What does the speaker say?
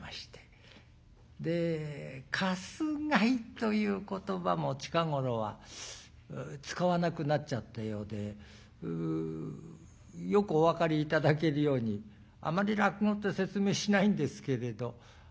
「鎹」という言葉も近頃は使わなくなっちゃったようでよくお分かり頂けるようにあまり落語って説明しないんですけれど。